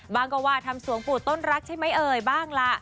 ว่าก็ว่าทำสวงปู่ต้นรักใช่ไหมเอ่ยบ้างล่ะ